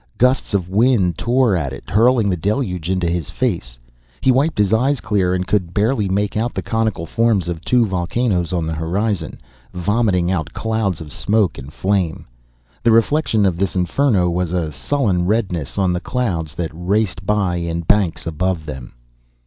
Gusts of wind tore at it, hurling the deluge into his face. He wiped his eyes clear and could barely make out the conical forms of two volcanoes on the horizon, vomiting out clouds of smoke and flame. The reflection of this inferno was a sullen redness on the clouds that raced by in banks above them.